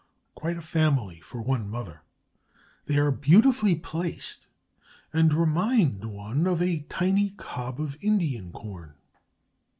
Quite a family for one mother! They are beautifully placed, and remind one of a tiny cob of Indian corn.